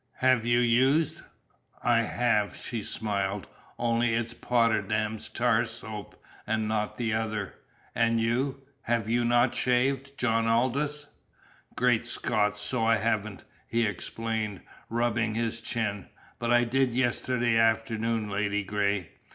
Have you used " "I have," she smiled. "Only it's Potterdam's Tar Soap, and not the other. And you have not shaved, John Aldous!" "Great Scott, so I haven't!" he exclaimed, rubbing his chin. "But I did yesterday afternoon, Ladygray!"